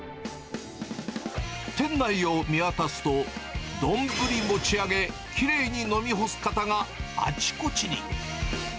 店内を見渡すと、丼持ち上げ、きれいに飲み干す方があちこちに。